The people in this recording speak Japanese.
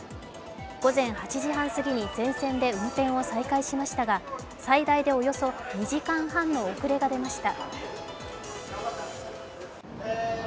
午前８時半過ぎに全線で運転を再開しましたが最大でおよそ２時間半の遅れが出ました。